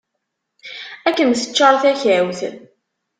Ad kem-teččar takawt.